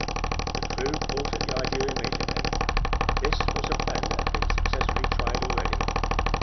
The crew caught at the idea immediately; this was a plan that had been successfully tried already.